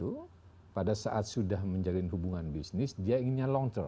itu pada saat sudah menjalin hubungan bisnis dia inginnya long term